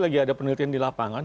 lagi ada penelitian di lapangan